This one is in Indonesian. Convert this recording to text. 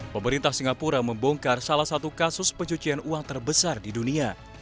pemerintah singapura membongkar salah satu kasus pencucian uang terbesar di dunia